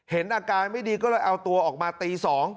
เห็นอาการไม่ดีก็เลยเอาตัวออกมาตี๒